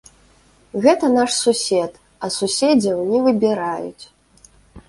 Гэта наш сусед, а суседзяў не выбіраюць!